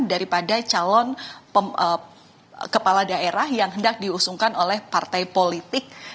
daripada calon kepala daerah yang hendak diusungkan oleh partai politik